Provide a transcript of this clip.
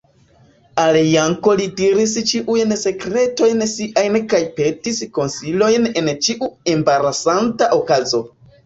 Al Janko li diris ĉiujn sekretojn siajn kaj petis konsilojn en ĉiu embarasanta okazo.